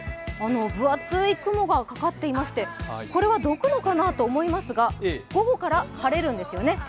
分厚い雲がかかっていましてこれはどくのかなと思いますが午後から晴れるんですよね。